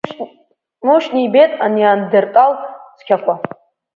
Мушьни ибеит анеандертал цқьақәа.